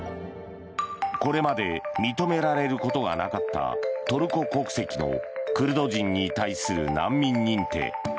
これまで認められることがなかったトルコ国籍のクルド人に対する難民認定。